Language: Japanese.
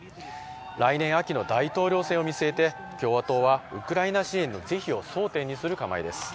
来年秋の大統領選を見据えて共和党はウクライナ支援の是非を争点にする構えです。